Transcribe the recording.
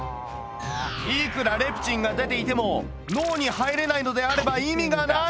いくらレプチンが出ていても脳に入れないのであれば意味がない。